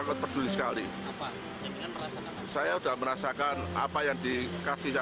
ini kan peduli terhadap penanganan masalah covid sembilan belas